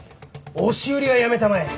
押し売りはやめたまえ！